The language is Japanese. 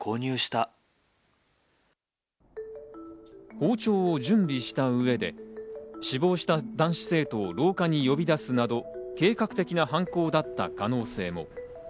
包丁を準備した上で死亡した男子生徒を廊下に呼び出すなど計画的な犯行だった可能性も。